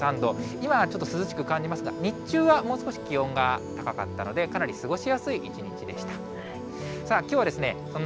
今はちょっと涼しく感じますが、日中はもう少し気温が高かったので、かなり過ごしやすい一日でした。